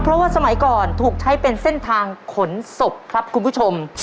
เพราะว่าสมัยก่อนถูกใช้เป็นเส้นทางขนศพครับคุณผู้ชม